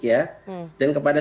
ya dan kepada